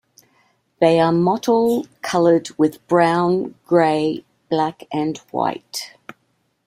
They are mottle-colored with brown, gray, black, and white.